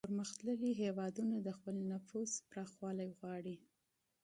پرمختللي هیوادونه د خپل نفوذ پراخول غواړي